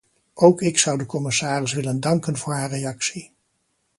Ook ik zou de commissaris willen danken voor haar reactie.